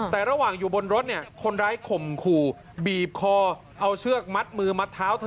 แต่ระหว่างอยู่บนรถเนี่ยคนร้ายข่มขู่บีบคอเอาเชือกมัดมือมัดเท้าเธอ